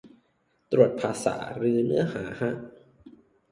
ตรวจภาษาหรือเนื้อหาฮะ